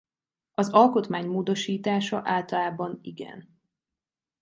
Az alkotmány módosítása általában igen.